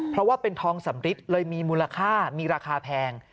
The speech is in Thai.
เพราะว่าเป็นทองสำริดเลยมีมูลค่ามีราคาแพง